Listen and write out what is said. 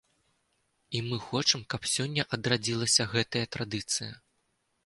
І мы хочам, каб сёння адрадзілася гэтая традыцыя.